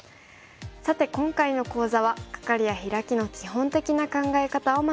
さて今回の講座はカカリやヒラキの基本的な考え方を学びました。